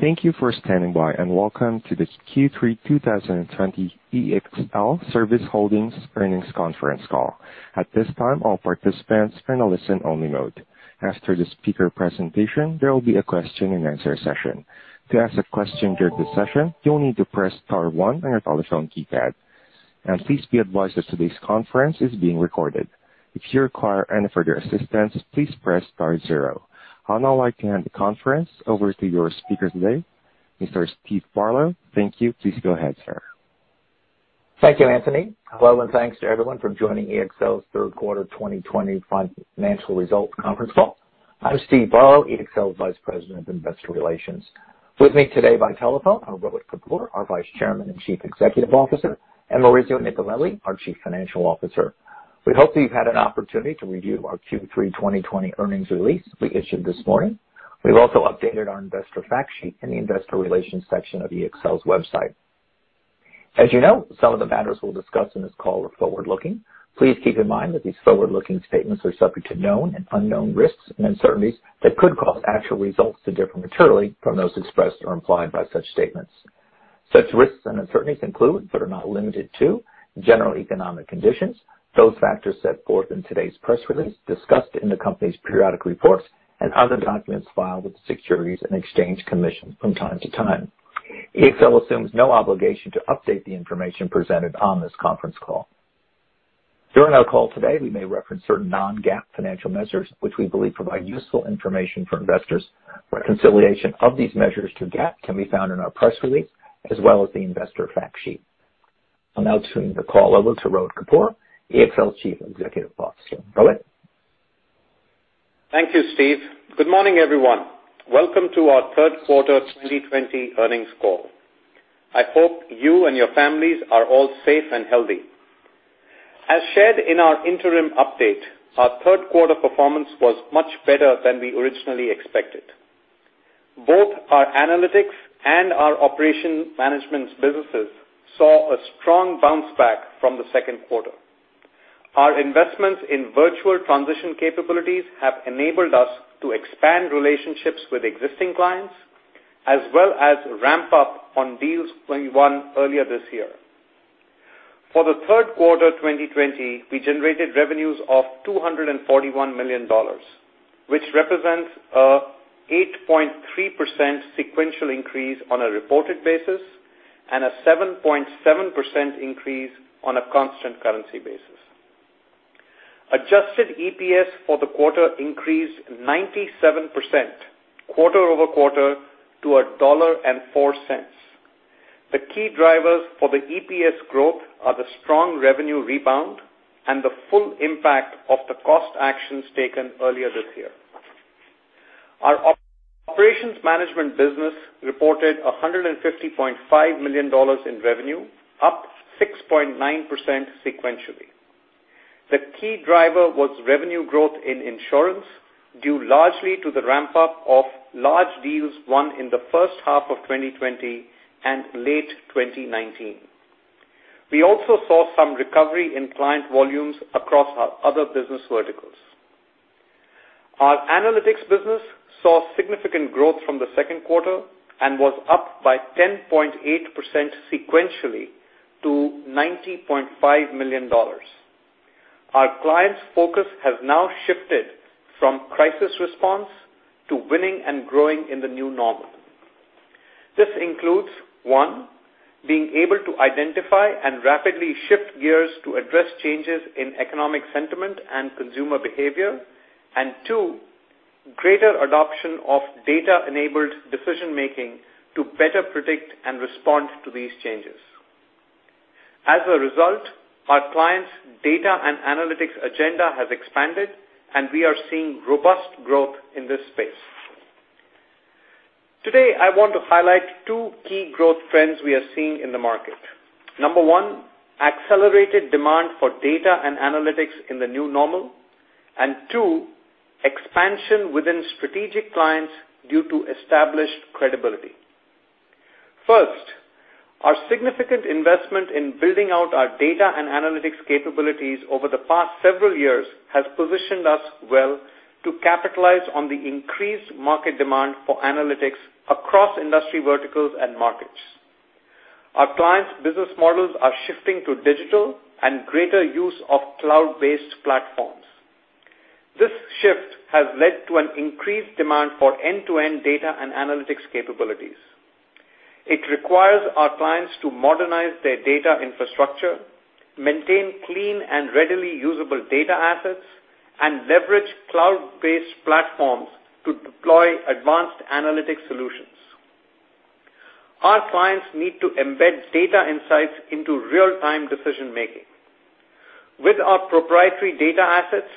Thank you for standing by; welcome to the Q3 2020 ExlService Holdings Earnings Conference Call. At this time, all participants are in a listen-only mode. After the speaker presentation, there will be a question-and-answer session. To ask a question during the session, you'll need to press star one on your telephone keypad. Please be advised that today's conference is being recorded. If you require any further assistance, please press star zero. I'd now like to hand the conference over to your speaker today, Mr. Steve Barlow. Thank you. Please go ahead, sir. Thank you, Anthony. Hello, and thanks to everyone for joining EXL's third quarter 2020 financial result conference call. I'm Steve Barlow, EXL's Vice President of Investor Relations. With me today by telephone are Rohit Kapoor, our Vice Chairman and Chief Executive Officer, and Maurizio Nicolelli, our Chief Financial Officer. We hope that you've had an opportunity to review our Q3 2020 earnings release we issued this morning. We've also updated our investor fact sheet in the Investor Relations section of EXL's website. As you know, some of the matters we'll discuss in this call are forward-looking. Please keep in mind that these forward-looking statements are subject to known and unknown risks and uncertainties that could cause actual results to differ materially from those expressed or implied by such statements. Such risks and uncertainties include, but are not limited to, general economic conditions and those factors set forth in today's press release, discussed in the company's periodic reports and other documents filed with the Securities and Exchange Commission from time to time. EXL assumes no obligation to update the information presented on this conference call. During our call today, we may reference certain non-GAAP financial measures, which we believe provide useful information for investors. Reconciliation of these measures to GAAP can be found in our press release, as well as the investor fact sheet. I'll now turn the call over to Rohit Kapoor, EXL Chief Executive Officer. Rohit. Thank you, Steve. Good morning, everyone. Welcome to our third quarter 2020 earnings call. I hope you and your families are all safe and healthy. As shared in our interim update, our third quarter performance was much better than we originally expected. Both our analytics and our operations management businesses saw a strong bounce back from the second quarter. Our investments in virtual transition capabilities have enabled us to expand relationships with existing clients, as well as ramp up on deals won earlier this year. For the third quarter of 2020, we generated revenues of $241 million, which represents an 8.3% sequential increase on a reported basis and a 7.7% increase on a constant currency basis. Adjusted EPS for the quarter increased 97% quarter-over-quarter to $1.04. The key drivers for the EPS growth are the strong revenue rebound and the full impact of the cost actions taken earlier this year. Our Operations Management business reported $150.5 million in revenue, up 6.9% sequentially. The key driver was revenue growth in insurance, due largely to the ramp-up of large deals won in the first half of 2020 and late 2019. We also saw some recovery in client volumes across our other business verticals. Our Analytics business saw significant growth from the second quarter and was up by 10.8% sequentially to $90.5 million. Our clients' focus has now shifted from crisis response to winning and growing in the new normal. This includes, one, being able to identify and rapidly shift gears to address changes in economic sentiment and consumer behavior. Two, greater adoption of data-enabled decision-making to better predict and respond to these changes. As a result, our clients' Data and Analytics agenda has expanded, and we are seeing robust growth in this space. Today, I want to highlight two key growth trends we are seeing in the market. Number one, accelerated demand for Data and Analytics in the new normal, and two, expansion within strategic clients due to established credibility. First, our significant investment in building out our Data and Analytics capabilities over the past several years has positioned us well to capitalize on the increased market demand for analytics across industry verticals and markets. Our clients' business models are shifting to digital and greater use of cloud-based platforms. This shift has led to an increased demand for end-to-end Data and Analytics capabilities. It requires our clients to modernize their data infrastructure, maintain clean and readily usable data assets, and leverage cloud-based platforms to deploy advanced analytic solutions. Our clients need to embed data insights into real-time decision-making. With our proprietary data assets,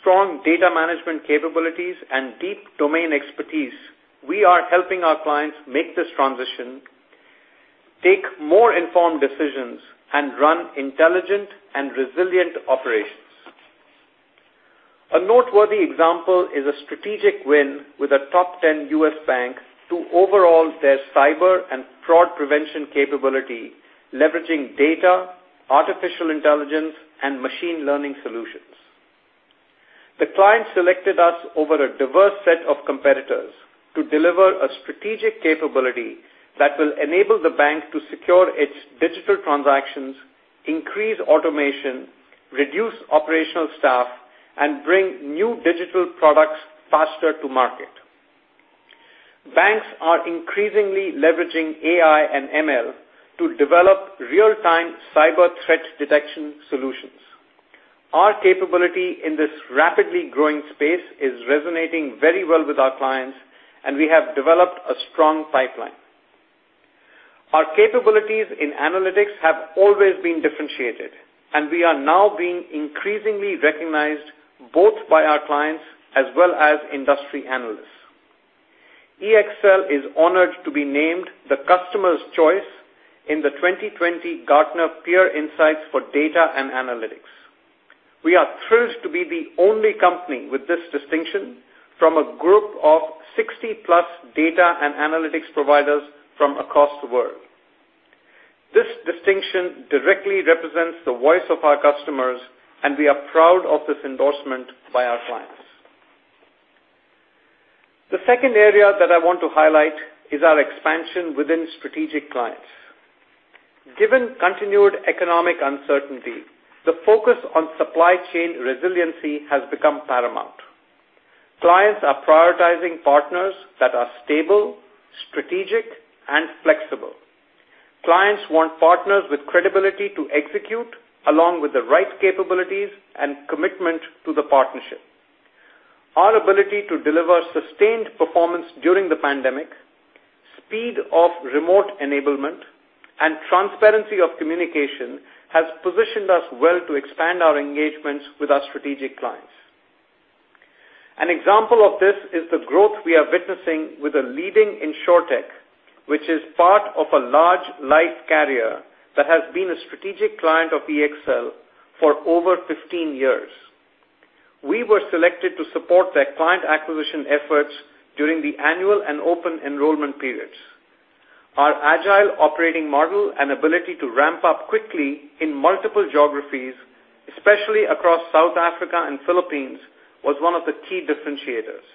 strong data management capabilities, and deep domain expertise, we are helping our clients make this transition, take more informed decisions, and run intelligent and resilient operations. A noteworthy example is a strategic win with a top 10 U.S. bank to overhaul their cyber and fraud prevention capability, leveraging data, artificial intelligence, and machine learning solutions. The client selected us over a diverse set of competitors to deliver a strategic capability that will enable the bank to secure its digital transactions, increase automation, reduce operational staff, and bring new digital products faster to market. Banks are increasingly leveraging AI and ML to develop real-time cyber threat detection solutions. Our capability in this rapidly growing space is resonating very well with our clients, and we have developed a strong pipeline. Our capabilities in analytics have always been differentiated, and we are now being increasingly recognized both by our clients and industry analysts. EXL is honored to be named the Customer's Choice in the 2020 Gartner Peer Insights for Data and Analytics. We are thrilled to be the only company with this distinction from a group of 60-plus data and analytics providers from across the world. This distinction directly represents the voice of our customers, and we are proud of this endorsement by our clients. The second area that I want to highlight is our expansion within strategic clients. Given continued economic uncertainty, the focus on supply chain resiliency has become paramount. Clients are prioritizing partners that are stable, strategic, and flexible. Clients want partners with credibility to execute, along with the right capabilities and commitment to the partnership. Our ability to deliver sustained performance during the pandemic, speed of remote enablement, and transparency of communication has positioned us well to expand our engagements with our strategic clients. An example of this is the growth we are witnessing with a leading insurtech, which is part of a large life carrier that has been a strategic client of EXL for over 15 years. We were selected to support their client acquisition efforts during the annual and open enrollment periods. Our agile operating model and ability to ramp up quickly in multiple geographies, especially across South Africa and the Philippines, was one of the key differentiators.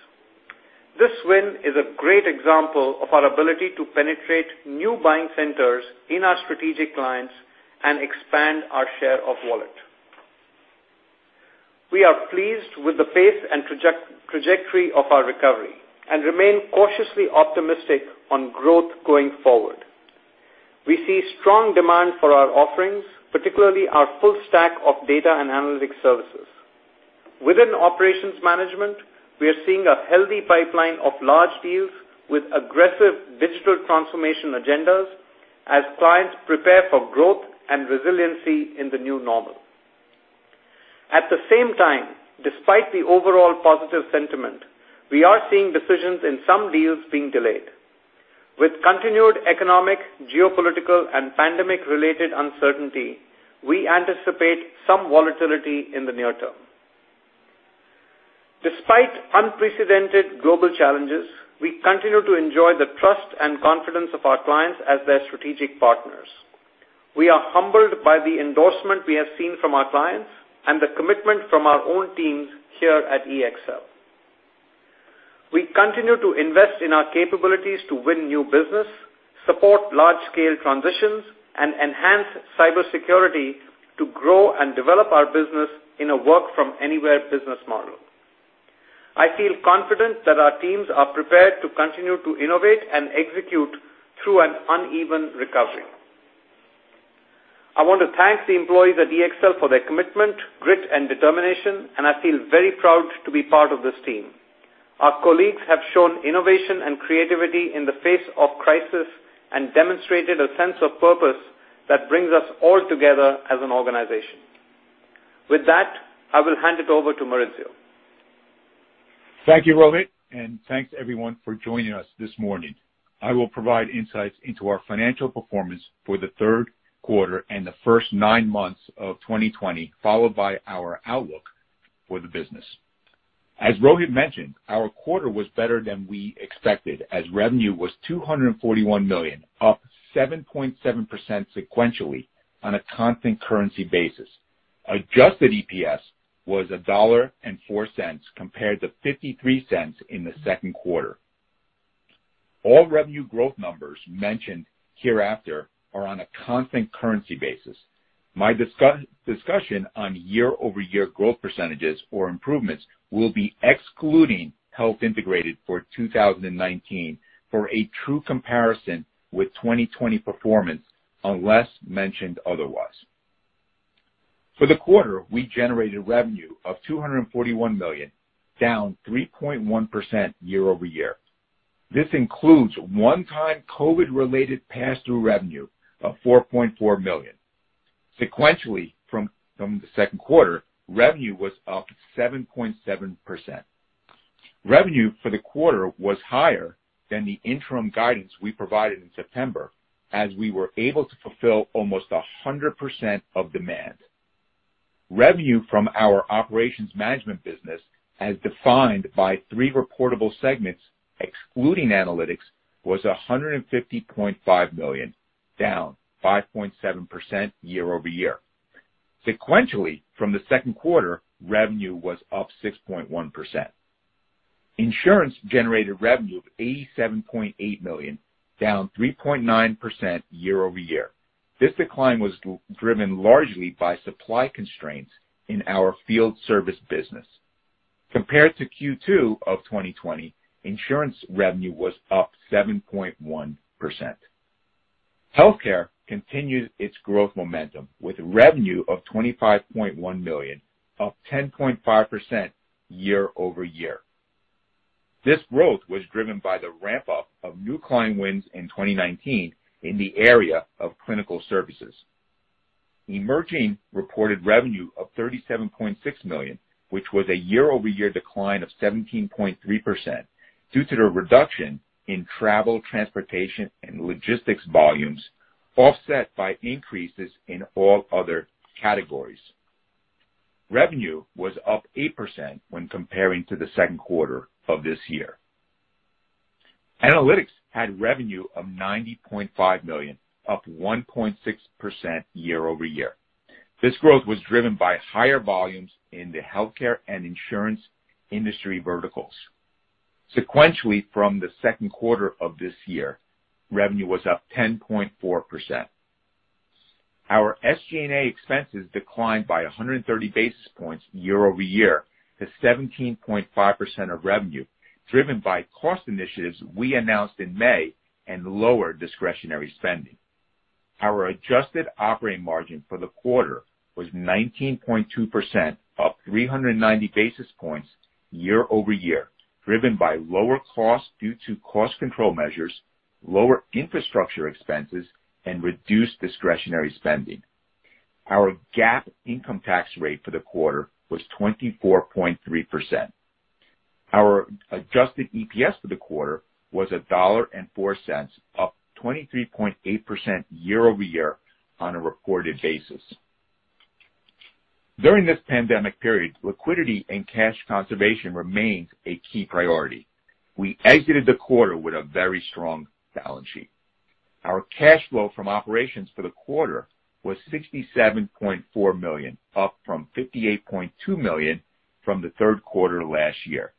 This win is a great example of our ability to penetrate new buying centers in our strategic clients and expand our share of wallet. We are pleased with the pace and trajectory of our recovery and remain cautiously optimistic on growth going forward. We see strong demand for our offerings, particularly our full stack of Data and Analytics services. Within operations management, we are seeing a healthy pipeline of large deals with aggressive digital transformation agendas as clients prepare for growth and resiliency in the new normal. At the same time, despite the overall positive sentiment, we are seeing decisions in some deals being delayed. With continued economic, geopolitical, and pandemic-related uncertainty, we anticipate some volatility in the near term. Despite unprecedented global challenges, we continue to enjoy the trust and confidence of our clients as their strategic partners. We are humbled by the endorsement we have seen from our clients and the commitment from our own teams here at EXL. We continue to invest in our capabilities to win new business, support large-scale transitions, and enhance cybersecurity to grow and develop our business in a work-from-anywhere business model. I feel confident that our teams are prepared to continue to innovate and execute through an uneven recovery. I want to thank the employees at EXL for their commitment, grit, and determination, and I feel very proud to be part of this team. Our colleagues have shown innovation and creativity in the face of crisis and demonstrated a sense of purpose that brings us all together as an organization. With that, I will hand it over to Maurizio. Thank you, Rohit, and thanks, everyone, for joining us this morning. I will provide insights into our financial performance for the third quarter and the first nine months of 2020, followed by our outlook for the business. As Rohit mentioned, our quarter was better than we expected as revenue was $241 million, up 7.7% sequentially on a constant currency basis. Adjusted EPS was $1.04 compared to $0.53 in the second quarter. All revenue growth numbers mentioned hereafter are on a constant currency basis. My discussion on year-over-year growth percentages or improvements will be excluding Health Integrated for 2019 for a true comparison with 2020 performance, unless mentioned otherwise. For the quarter, we generated revenue of $241 million, down 3.1% year-over-year. This includes one-time COVID-related pass-through revenue of $4.4 million. Sequentially from the second quarter, revenue was up 7.7%. Revenue for the quarter was higher than the interim guidance we provided in September, as we were able to fulfill almost 100% of demand. Revenue from our operations management business, as defined by three reportable segments, excluding analytics, was $150.5 million, down 5.7% year-over-year. Sequentially from the second quarter, revenue was up 6.1%. Insurance generated revenue of $87.8 million, down 3.9% year-over-year. This decline was driven largely by supply constraints in our field service business. Compared to Q2 of 2020, insurance revenue was up 7.1%. Healthcare continued its growth momentum with revenue of $25.1 million, up 10.5% year-over-year. This growth was driven by the ramp-up of new client wins in 2019 in the area of clinical services. Emerging reported revenue of $37.6 million, which was a year-over-year decline of 17.3% due to the reduction in travel, transportation, and logistics volumes, offset by increases in all other categories. Revenue was up 8% when comparing to the second quarter of this year. Analytics had revenue of $90.5 million, up 1.6% year-over-year. This growth was driven by higher volumes in the healthcare and insurance industry verticals. Sequentially from the second quarter of this year, revenue was up 10.4%. Our SGA expenses declined by 130 basis points year-over-year to 17.5% of revenue, driven by cost initiatives we announced in May and lower discretionary spending. Our adjusted operating margin for the quarter was 19.2%, up 390 basis points year-over-year, driven by lower costs due to cost control measures, lower infrastructure expenses, and reduced discretionary spending. Our GAAP income tax rate for the quarter was 24.3%. Our adjusted EPS for the quarter was $1.04, up 23.8% year-over-year on a reported basis. During this pandemic period, liquidity and cash conservation remain a key priority. We exited the quarter with a very strong balance sheet. Our cash flow from operations for the quarter was $67.4 million, up from $58.2 million from the third quarter last year.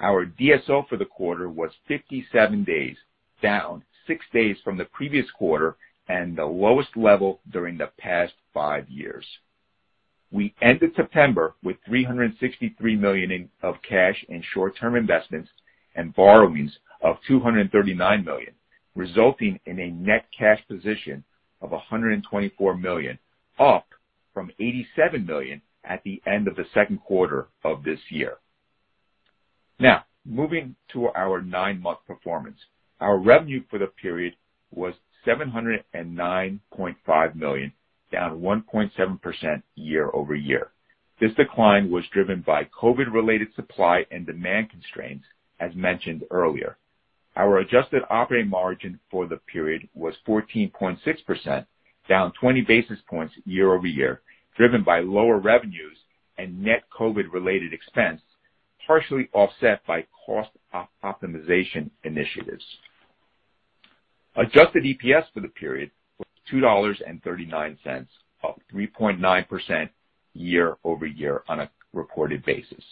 Our DSO for the quarter was 57 days, down six days from the previous quarter and the lowest level during the past five years. We ended September with $363 million of cash and short-term investments and borrowings of $239 million, resulting in a net cash position of $124 million, up from $87 million at the end of the second quarter of this year. Now, moving to our nine-month performance. Our revenue for the period was $709.5 million, down 1.7% year-over-year. This decline was driven by COVID-related supply and demand constraints, as mentioned earlier. Our adjusted operating margin for the period was 14.6%, down 20 basis points year-over-year, driven by lower revenues and net COVID-related expense, partially offset by cost optimization initiatives. Adjusted EPS for the period was $2.39, up 3.9% year-over-year on a reported basis.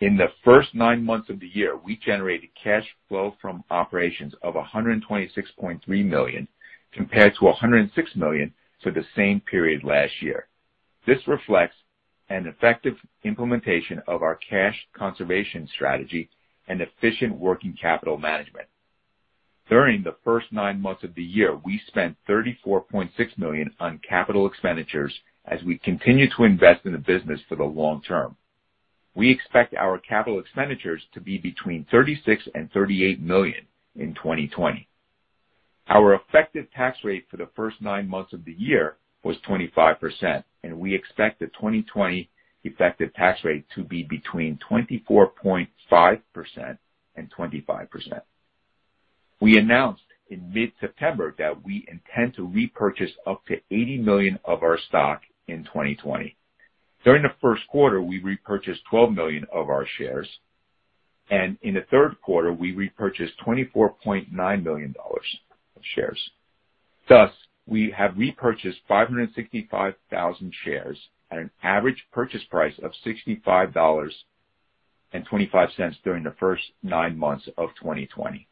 In the first nine months of the year, we generated cash flow from operations of $126.3 million, compared to $106 million for the same period last year. This reflects an effective implementation of our cash conservation strategy and efficient working capital management. During the first nine months of the year, we spent $34.6 million on capital expenditures as we continue to invest in the business for the long term. We expect our capital expenditures to be between $36 million and $38 million in 2020. Our effective tax rate for the first nine months of the year was 25%, and we expect the 2020 effective tax rate to be between 24.5% and 25%. We announced in mid-September that we intend to repurchase up to $80 million of our stock in 2020. During the first quarter, we repurchased $12 million of our shares, and in the third quarter, we repurchased $24.9 million of shares. We have repurchased 565,000 shares at an average purchase price of $65.25 during the first nine months of 2020.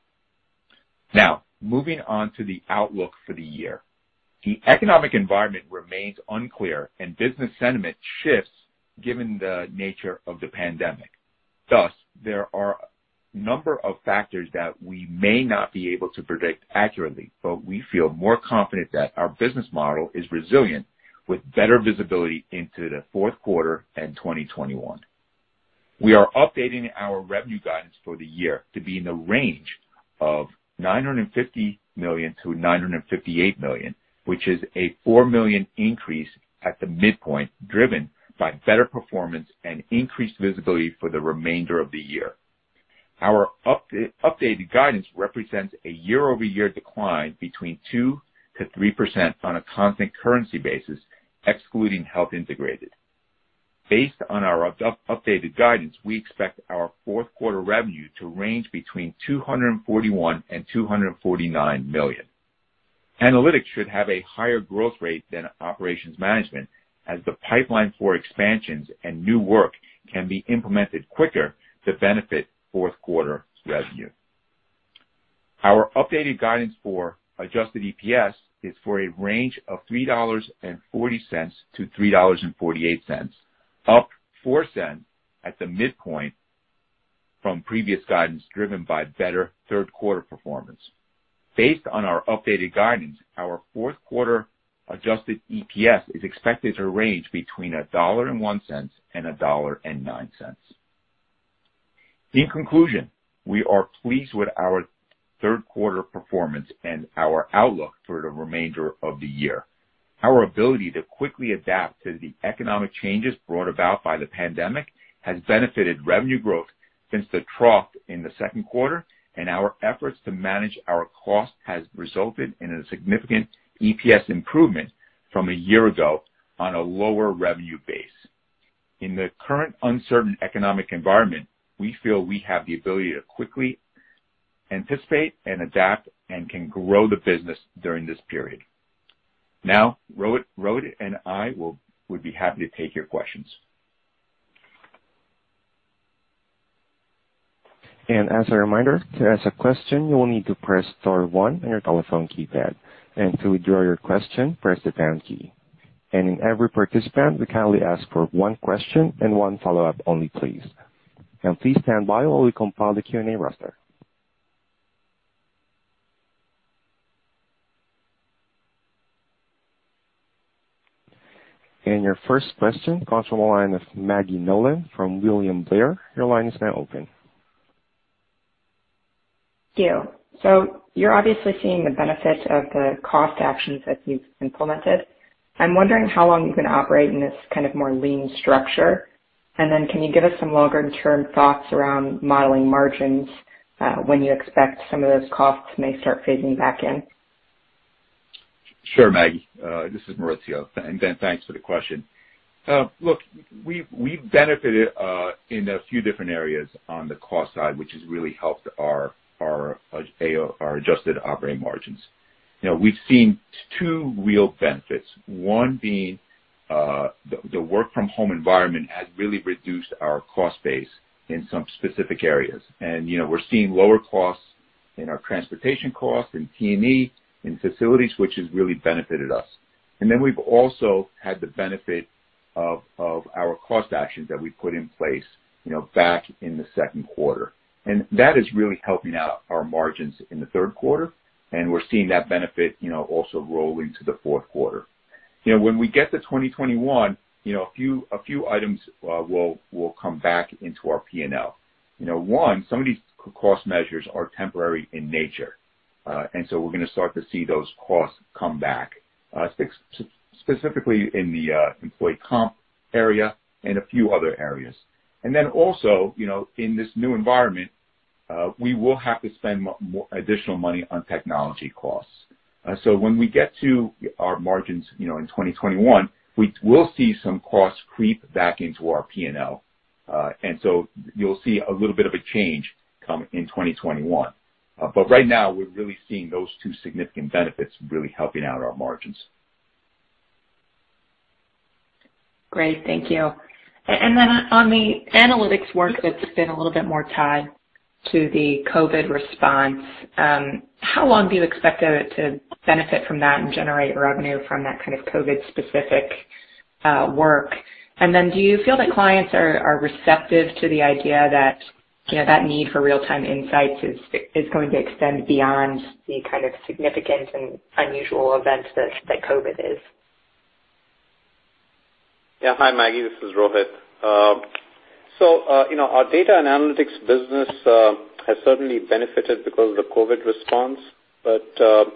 Moving on to the outlook for the year. The economic environment remains unclear, and business sentiment shifts given the nature of the pandemic. There are a number of factors that we may not be able to predict accurately, but we feel more confident that our business model is resilient, with better visibility into the fourth quarter and 2021. We are updating our revenue guidance for the year to be in the range of $950 million-$958 million, which is a $4 million increase at the midpoint, driven by better performance and increased visibility for the remainder of the year. Our updated guidance represents a year-over-year decline between 2%-3% on a constant currency basis, excluding Health Integrated. Based on our updated guidance, we expect our fourth quarter revenue to range between $241 million and $249 million. Analytics should have a higher growth rate than Operations Management, as the pipeline for expansions and new work can be implemented quicker to benefit fourth quarter revenue. Our updated guidance for adjusted EPS is for a range of $3.40-$3.48, up $0.04 at the midpoint from previous guidance, driven by better third quarter performance. Based on our updated guidance, our fourth quarter adjusted EPS is expected to range between $1.01 and $1.09. In conclusion, we are pleased with our third quarter performance and our outlook for the remainder of the year. Our ability to quickly adapt to the economic changes brought about by the pandemic has benefited revenue growth since the trough in the second quarter, and our efforts to manage our costs have resulted in a significant adjusted EPS improvement from a year ago on a lower revenue base. In the current uncertain economic environment, we feel we have the ability to quickly anticipate and adapt and can grow the business during this period. Now, Rohit and I would be happy to take your questions. As a reminder, to ask a question, you will need to press star one on your telephone keypad, and to withdraw your question, press the pound key. In every participant, we kindly ask for one question and one follow-up only, please. Please stand by while we compile the Q&A roster. Your first question comes from the line of Maggie Nolan from William Blair. Your line is now open. Thank you. You're obviously seeing the benefit of the cost actions that you've implemented. I'm wondering how long you're going to operate in this kind of more lean structure, and then can you give us some longer-term thoughts around modeling margins, when you expect some of those costs may start phasing back in? Sure, Maggie. This is Maurizio, and thanks for the question. Look, we've benefited in a few different areas on the cost side, which has really helped our adjusted operating margins. We've seen two real benefits. One being, the work-from-home environment has really reduced our cost base in some specific areas. We're seeing lower costs in our transportation costs, in T&E, and in facilities, which has really benefited us. Then we've also had the benefit of our cost actions that we put in place back in the second quarter. That is really helping out our margins in the third quarter, and we're seeing that benefit also roll into the fourth quarter. When we get to 2021, a few items will come back into our P&L. One, some of these cost measures are temporary in nature. We're going to start to see those costs come back, specifically in the employee comp area and a few other areas. Also, in this new environment, we will have to spend additional money on technology costs. When we get to our margins in 2021, we will see some costs creep back into our P&L. You'll see a little bit of a change come in 2021. Right now, we're really seeing those two significant benefits really helping out our margins. Great. Thank you. On the analytics work that's been a little bit more tied to the COVID response, how long do you expect to benefit from that and generate revenue from that kind of COVID specific work? Do you feel that clients are receptive to the idea that the need for real-time insights is going to extend beyond the kind of significant and unusual events that COVID is? Hi, Maggie. This is Rohit. Our Data and Analytics business has certainly benefited because of the COVID response. The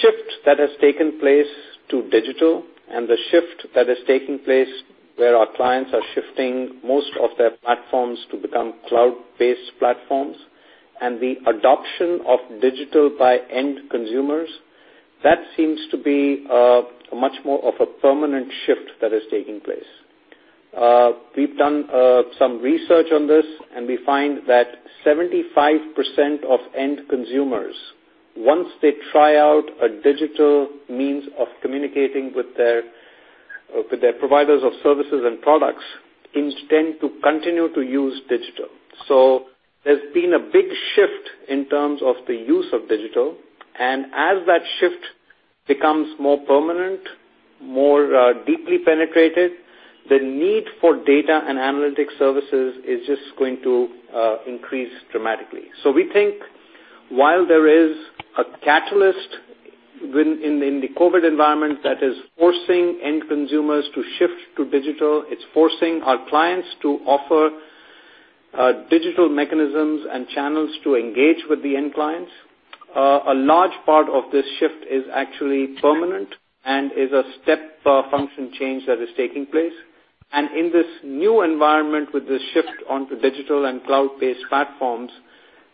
shift that has taken place to digital and the shift that is taking place where our clients are shifting most of their platforms to become cloud-based platforms and the adoption of digital by end consumers seem to be much more of a permanent shift that is taking place. We've done some research on this, and we find that 75% of end consumers, once they try out a digital means of communicating with their providers of services and products, intend to continue to use digital. There's been a big shift in terms of the use of digital. As that shift becomes more permanent, more deeply penetrated, the need for Data and Analytics services is just going to increase dramatically. We think while there is a catalyst in the COVID environment that is forcing end consumers to shift to digital, it's forcing our clients to offer digital mechanisms and channels to engage with the end clients. A large part of this shift is actually permanent and is a step function change that is taking place. In this new environment with this shift onto digital and cloud-based platforms.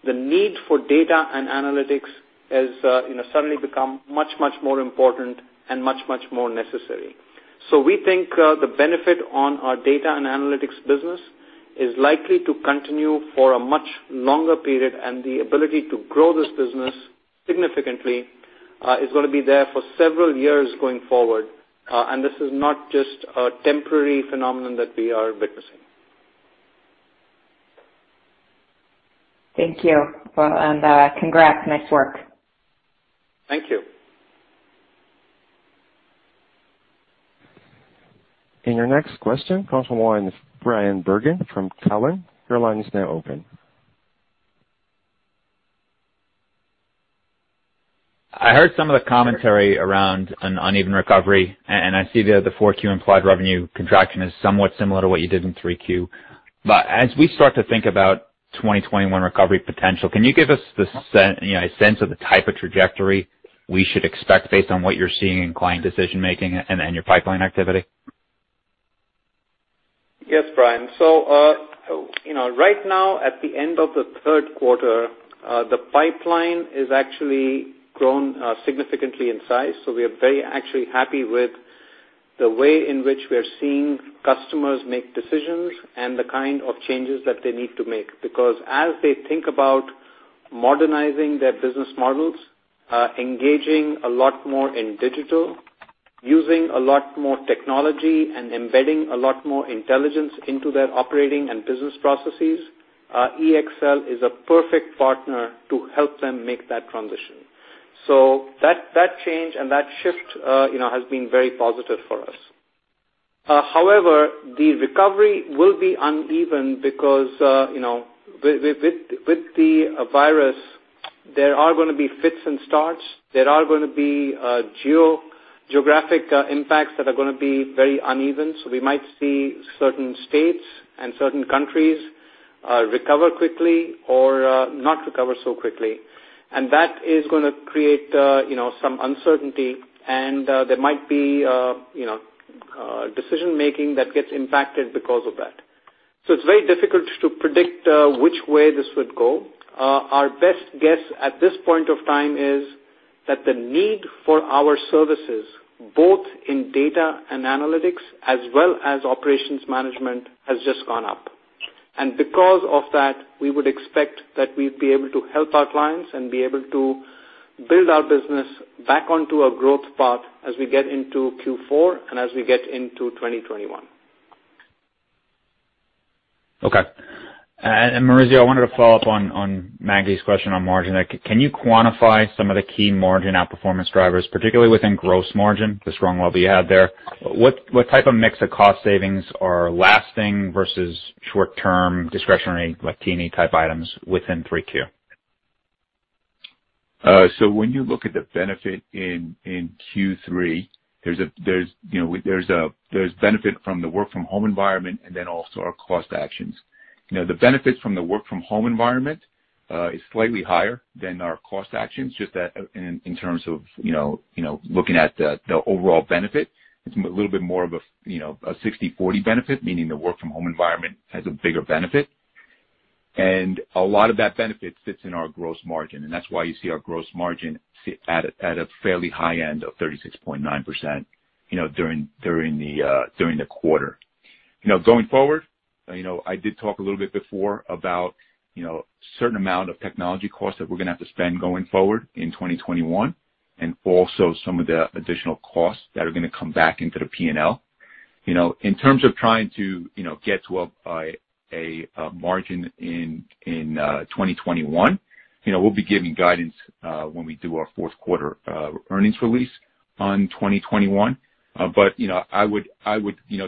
The need for Data and Analytics has suddenly become much more important and much more necessary. We think the benefit of our Data and Analytics business is likely to continue for a much longer period, and the ability to grow this business significantly is going to be there for several years going forward. This is not just a temporary phenomenon that we are witnessing. Thank you. Well, congrats. Nice work. Thank you. Your next question comes from the line with Bryan Bergin from Cowen. Your line is now open. I heard some of the commentary around an uneven recovery, and I see the 4Q implied revenue contraction is somewhat similar to what you did in 3Q. As we start to think about 2021 recovery potential, can you give us the sense of the type of trajectory we should expect based on what you're seeing in client decision-making and your pipeline activity? Yes, Bryan. Right now, at the end of the third quarter, the pipeline has actually grown significantly in size. We are very happy with the way in which we are seeing customers make decisions and the kind of changes that they need to make. Because as they think about modernizing their business models, engaging a lot more in digital, using a lot more technology, and embedding a lot more intelligence into their operating and business processes, EXL is a perfect partner to help them make that transition. That change and that shift have been very positive for us. However, the recovery will be uneven because, with the virus, there are going to be fits and starts. There are going to be geographic impacts that are going to be very uneven. We might see certain states and certain countries recover quickly or not recover so quickly. That is going to create some uncertainty, and there might be decision-making that gets impacted because of that. It's very difficult to predict which way this would go. Our best guess at this point of time is that the need for our services, both in Data and Analytics as well as operations management, has just gone up. Because of that, we would expect that we'd be able to help our clients and be able to build our business back onto a growth path as we get into Q4 and as we get into 2021. Okay. Maurizio, I wanted to follow up on Maggie's question on margin. Can you quantify some of the key margin outperformance drivers, particularly within gross margin, the strong level you had there? What type of mix of cost savings are lasting versus short-term discretionary, like T&E type items, within 3Q? When you look at the benefit in Q3, there's a benefit from the work-from-home environment and then also our cost actions. The benefits from the work-from-home environment is slightly higher than our cost actions; just that in terms of looking at the overall benefit, it's a little bit more of a 60/40 benefit, meaning the work-from-home environment has a bigger benefit. A lot of that benefit sits in our gross margin, and that's why you see our gross margin sit at a fairly high end of 36.9% during the quarter. Going forward, I did talk a little bit before about a certain amount of technology costs that we're going to have to spend going forward in 2021 and also some of the additional costs that are going to come back into the P&L. In terms of trying to get to a margin in 2021, we'll be giving guidance when we do our fourth quarter earnings release on 2021. I would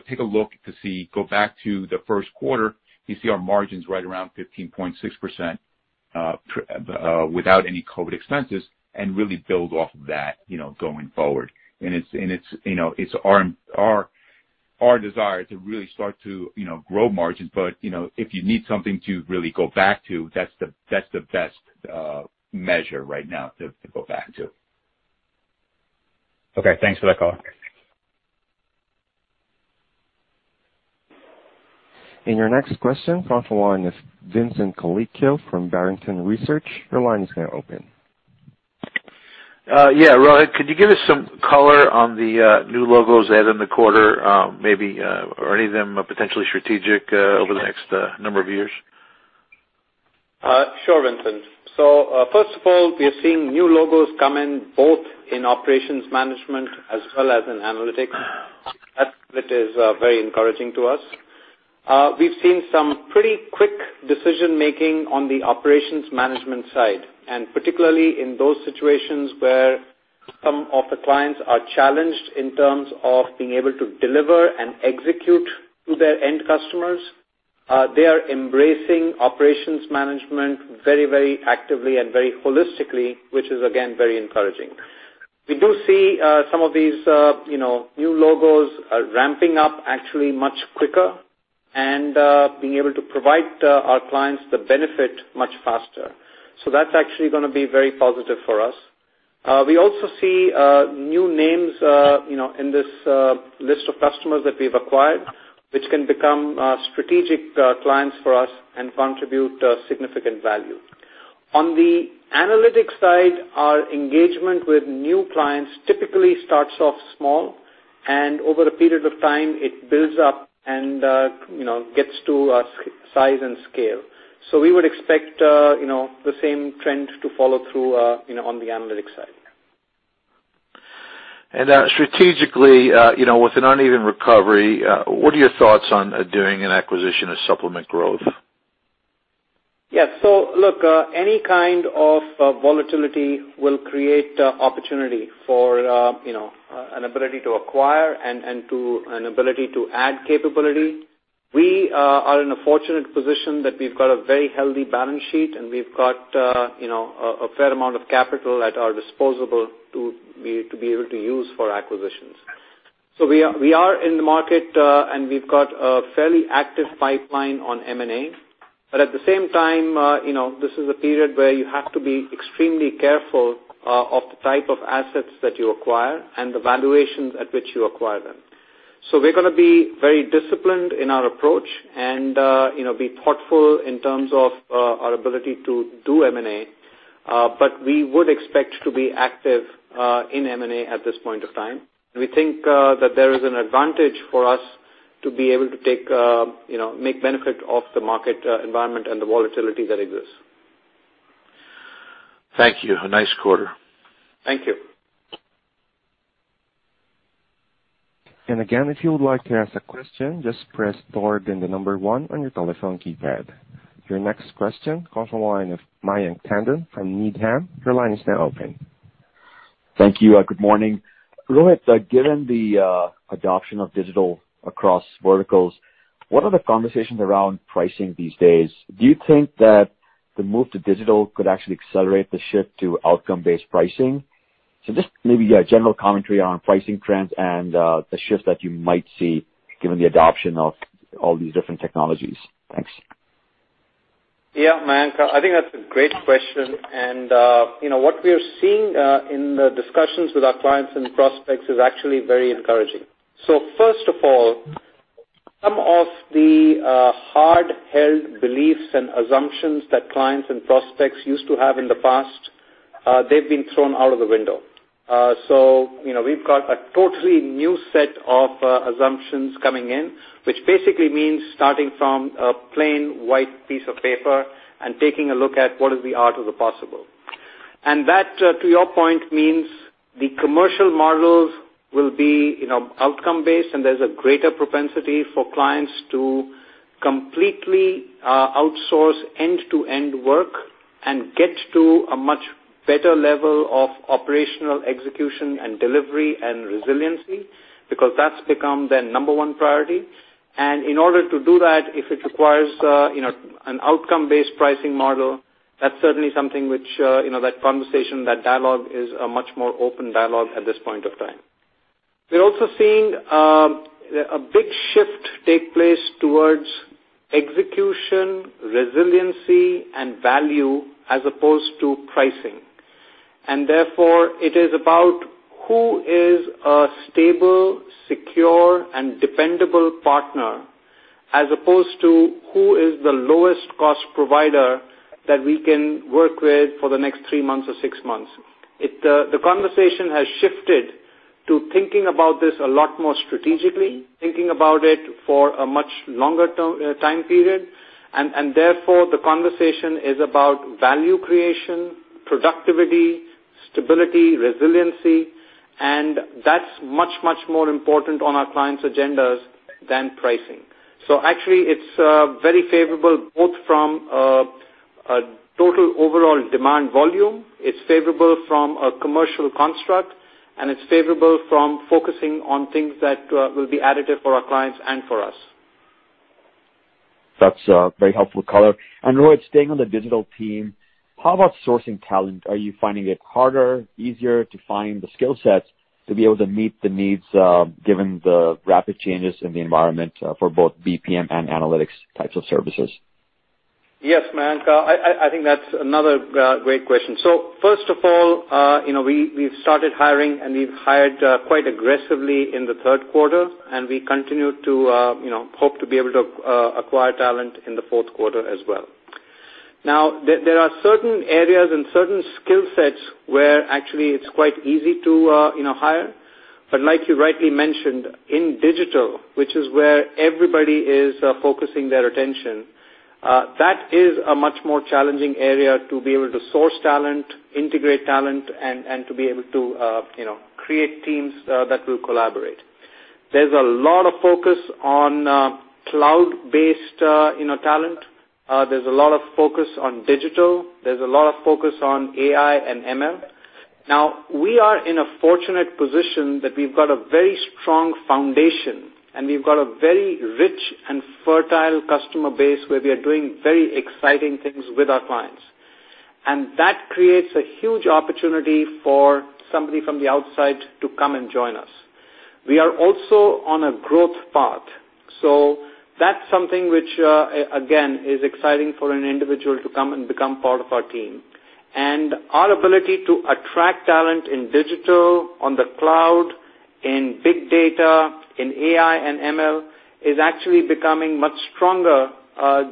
take a look to see; going back to the first quarter, you see our margins right around 15.6% without any COVID expenses, and really build off of that going forward. It's our desire to really start to grow margins. If you need something to really go back to, that's the best measure right now to go back to. Okay. Thanks for the color. Your next question from the line is Vincent Colicchio from Barrington Research. Yeah. Rohit, could you give us some color on the new logos added in the quarter, maybe are any of them are potentially strategic over the next number of years? Sure, Vincent. First of all, we are seeing new logos come in, both in Operations Management and in analytics. That is very encouraging to us. We've seen some pretty quick decision-making on the Operations Management side, and particularly in those situations where some of the clients are challenged in terms of being able to deliver and execute to their end customers. They are embracing Operations Management very actively and very holistically, which is again, very encouraging. We do see some of these new logos ramping up actually much quicker and being able to provide our clients the benefit much faster. That's actually going to be very positive for us. We also see new names in this list of customers that we've acquired, which can become strategic clients for us and contribute significant value. On the analytics side, our engagement with new clients typically starts off small, and over a period of time, it builds up and gets to a size and scale. We would expect the same trend to follow through on the analytics side. Strategically, with an uneven recovery, what are your thoughts on doing an acquisition of supplement growth? Yes. Look, any kind of volatility will create an opportunity for an ability to acquire and an ability to add capability. We are in a fortunate position that we've got a very healthy balance sheet, and we've got a fair amount of capital at our disposal to be able to use for acquisitions. We are in the market, and we've got a fairly active pipeline on M&A. At the same time, this is a period where you have to be extremely careful of the type of assets that you acquire and the valuations at which you acquire them. We're going to be very disciplined in our approach and be thoughtful in terms of our ability to do M&A, but we would expect to be active in M&A at this point of time. We think that there is an advantage for us to be able to make benefit of the market environment and the volatility that exists. Thank you. A nice quarter. Thank you. Again, if you would like to ask a question, just press star, then the number one on your telephone keypad. Your next question comes from the line of Mayank Tandon from Needham. Your line is now open. Thank you. Good morning. Rohit, given the adoption of digital across verticals, what are the conversations around pricing these days? Do you think that the move to digital could actually accelerate the shift to outcome-based pricing? Just maybe a general commentary on pricing trends and the shifts that you might see given the adoption of all these different technologies. Thanks. Yeah, Mayank. I think that's a great question. What we are seeing in the discussions with our clients and prospects is actually very encouraging. First of all, some of the hard-held beliefs and assumptions that clients and prospects used to have in the past have been thrown out of the window. We've got a totally new set of assumptions coming in, which basically means starting from a plain white piece of paper and taking a look at what is the art of the possible. That, to your point, means the commercial models will be outcome-based, and there's a greater propensity for clients to completely outsource end-to-end work and get to a much better level of operational execution and delivery and resiliency, because that's become their number one priority. In order to do that, if it requires an outcome-based pricing model, that's certainly something that conversation, that dialogue, is a much more open dialogue at this point in time. We're also seeing a big shift take place towards execution, resiliency, and value as opposed to pricing. Therefore, it is about who is a stable, secure, and dependable partner, as opposed to who is the lowest-cost provider that we can work with for the next three months or six months. The conversation has shifted to thinking about this a lot more strategically, thinking about it for a much longer time period, and therefore, the conversation is about value creation, productivity, stability, and resiliency, and that's much, much more important on our clients' agendas than pricing. Actually, it's very favorable, both from a total overall demand volume, it's favorable from a commercial construct, and it's favorable from focusing on things that will be additive for our clients and for us. That's a very helpful color. Rohit, staying on the digital team, how about sourcing talent? Are you finding it harder or easier to find the skill sets to be able to meet the needs given the rapid changes in the environment for both BPM and analytics types of services? Yes, Mayank. I think that's another great question. First of all, we've started hiring, and we've hired quite aggressively in the third quarter, and we continue to hope to be able to acquire talent in the fourth quarter as well. There are certain areas and certain skill sets where actually it's quite easy to hire. Like you rightly mentioned, in digital, which is where everybody is focusing their attention, that is a much more challenging area to be able to source talent, integrate talent, and to be able to create teams that will collaborate. There's a lot of focus on cloud-based talent. There's a lot of focus on digital. There's a lot of focus on AI and ML. Now, we are in a fortunate position that we've got a very strong foundation, and we've got a very rich and fertile customer base where we are doing very exciting things with our clients. That creates a huge opportunity for somebody from the outside to come and join us. We are also on a growth path, so that's something, which, again, is exciting for an individual to come and become part of our team. Our ability to attract talent in digital, on the cloud, in big data, and in AI and ML, is actually becoming much stronger,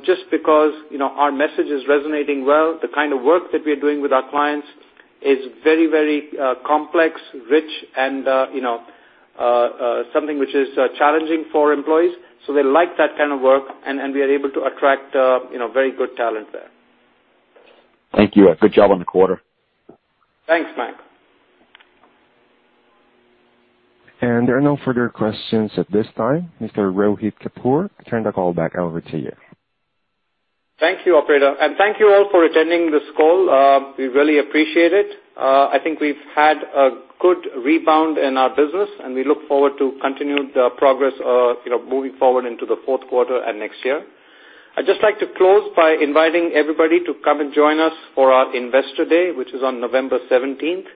just because our message is resonating well. The kind of work that we are doing with our clients is very complex, rich, and something that is challenging for employees. They like that kind of work, and we are able to attract very good talent there. Thank you. Good job on the quarter. Thanks, Mayank. There are no further questions at this time. Mr. Rohit Kapoor, I turn the call back over to you. Thank you, operator, and thank you all for attending this call. We really appreciate it. I think we've had a good rebound in our business, and we look forward to continued progress moving forward into the fourth quarter and next year. I'd just like to close by inviting everybody to come and join us for our Investor Day, which is on November 17th,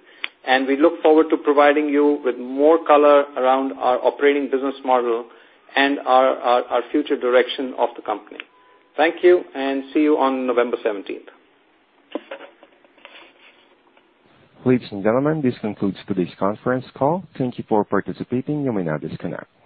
and we look forward to providing you with more color around our operating business model and our future direction of the company. Thank you, and see you on November 17th. Ladies and gentlemen, this concludes today's conference call. Thank you for participating. You may now disconnect.